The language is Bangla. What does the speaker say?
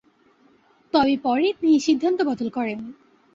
তবে পরে তিনি সিদ্ধান্ত বদল করেন।